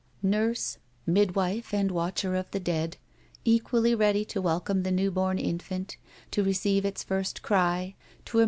Nurse, mid wife and watcher of the dead, equally ready to welcome the new born infant, to receive its first cry, to im A WOMAN'S LIFE.